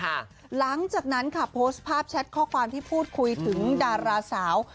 หลังจากนั้นค่ะโพสต์ภาพแชทข้อความที่พูดคุยถึงดาราสาว